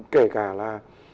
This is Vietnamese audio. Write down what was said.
kể cả là